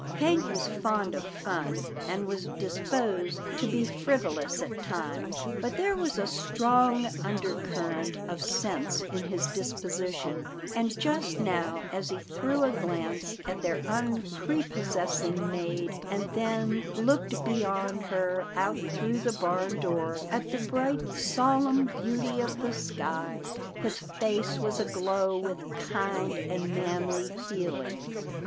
Hank 228 'TILDA JANE'S ORPHANS was fond of fun, and was disposed to be frivolous at times, but there was a strong undercurrent of sense in his disposition, and just now, as he threw a glance at their unprepossessing maid, and then looked beyond her out through the barn door at the bright solemn beauty of the sky, his face was aglow with kind and manly feeling.